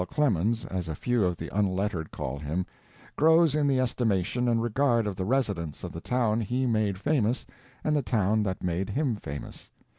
Clemens as a few of the unlettered call him, grows in the estimation and regard of the residents of the town he made famous and the town that made him famous.